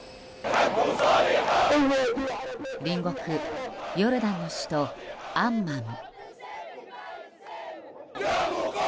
隣国ヨルダンの首都アンマン。